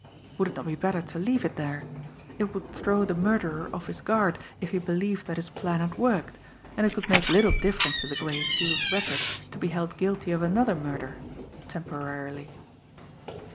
Would it not be better to leave it there? It would throw the murderer off his guard if he believed that his plan had worked; and it could make little difference to the Gray Seal's record to be held guilty of another murder temporarily.